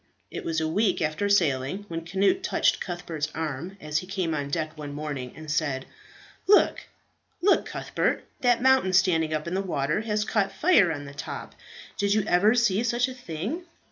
It was a week after sailing, when Cnut touched Cuthbert's arm as he came on deck one morning, and said, "Look, look, Cuthbert! that mountain standing up in the water has caught fire on the top. Did you ever see such a thing?"